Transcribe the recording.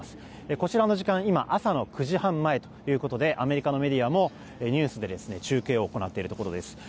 こちらの時間は今、朝の９時半前ということでアメリカのメディアもニュースで中継を行っています。